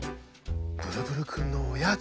ブルブルくんのおやつ？